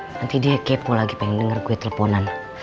nanti dia kepo lagi pengen denger gue teleponan